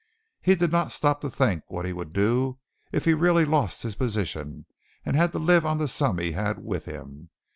He did not stop to think what he would do if he really lost his position and had to live on the sum he had with him.